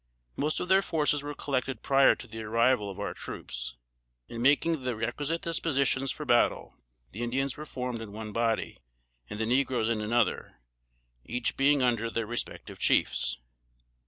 Most of their forces were collected prior to the arrival of our troops. In making the requisite dispositions for battle, the Indians were formed in one body, and the negroes in another each being under their respective chiefs.